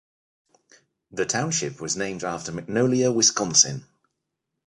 The township was named after Magnolia, Wisconsin.